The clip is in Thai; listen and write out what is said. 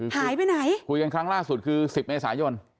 หายไปไหนคุยกันครั้งล่าสุดคือ๑๐เมษายน